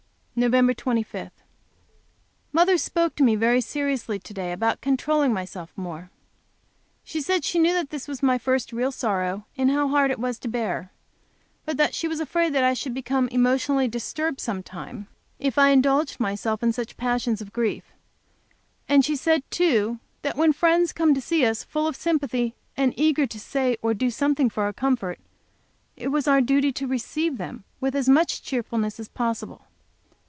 Nov. 25. Mother spoke to me very seriously to day, about controlling myself more. She said she knew this was my first real sorrow, and how hard it was to bear it. But that she was afraid I should become insane some time, if I indulged myself in such passions of grief. And she said, too, that when friends came to see us, full of sympathy and eager to say or do something for our comfort, it was our duty to receive them with as much cheerfulness as possible.